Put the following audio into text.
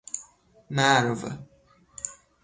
مرو